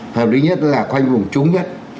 thứ nhất là khoanh vùng trúng nhất